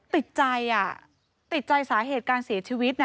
ติดใจอ่ะติดใจสาเหตุการเสียชีวิต